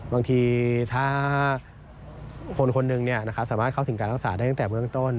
บางทีถ้าคนคนหนึ่งสามารถเข้าถึงการรักษาได้ตั้งแต่เบื้องต้น